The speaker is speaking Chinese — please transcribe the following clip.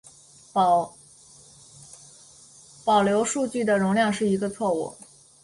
保留数据的容量是一个错误。